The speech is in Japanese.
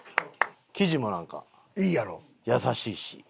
生地もなんか優しいし。